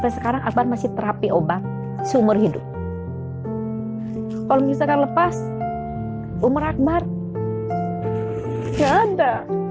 sekarang akbar masih terapi obat seumur hidup kalau misalkan lepas umur akbar siapa